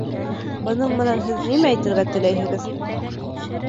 Бының менән һеҙ нимә әйтергә теләйһегеҙ?